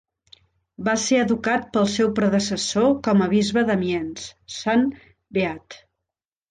Va ser educat pel seu predecessor com a bisbe d'Amiens, Sant Beat.